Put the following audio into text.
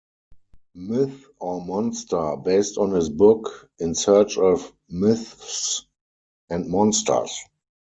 Myth or Monster," based on his book "In Search of Myths and Monsters.